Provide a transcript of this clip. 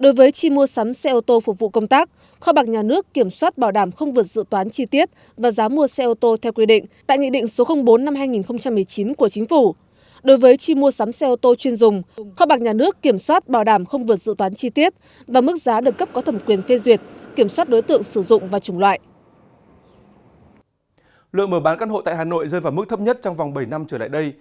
lượng mở bán căn hộ tại hà nội rơi vào mức thấp nhất trong vòng bảy năm trở lại đây